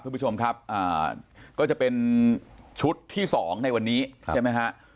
ถ้าไม่ชมครับก็จะเป็นชุดที่๒ในวันนี้ใช่ไหมครับ